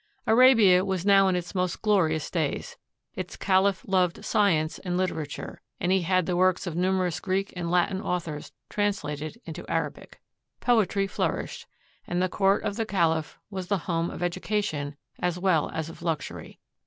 Arabia was now in its most glorious days. Its caliph loved science and Hterature, and he had the works of numerous Greek and Latin authors translated into Arabic. Poetry flourished, and the court of the caliph was the home of edu cation as well as of luxury.